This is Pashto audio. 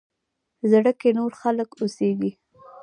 زړه کښې نور خلق اوسيږي